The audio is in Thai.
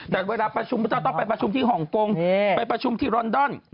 แต่เวลาประชุมก็จะต้องไปประชุมที่ฮ่องกงไปประชุมที่รอนดอน